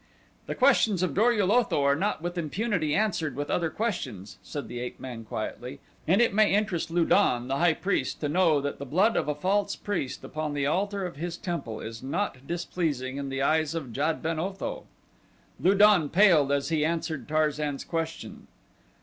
"The questions of Dor ul Otho are not with impunity answered with other questions," said the ape man quietly, "and it may interest Lu don, the high priest, to know that the blood of a false priest upon the altar of his temple is not displeasing in the eyes of Jad ben Otho." Lu don paled as he answered Tarzan's question.